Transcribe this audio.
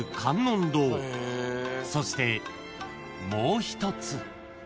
［そしてもう一つ］